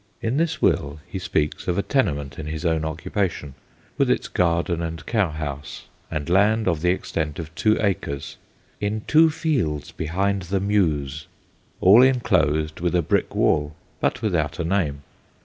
In this will he speaks of a tenement in his own occupation, with its garden and cow house, and land of the extent of two acres * in two fields behind the Mews/ all enclosed with a brick wall, but without a name.